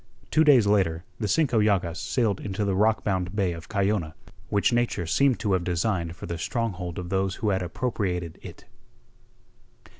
Two days later, the Cinco Llagas sailed into the rock bound bay of Cayona, which Nature seemed to have designed for the stronghold of those who had appropriated it.